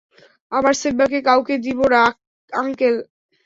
আমার সিম্বাকে কাউকে দিব না, আঙ্কেল!